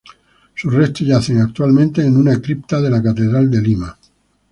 Sus restos yacen actualmente en una cripta de la Catedral de Lima.